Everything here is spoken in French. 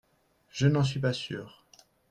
Je n’en suis pas sûre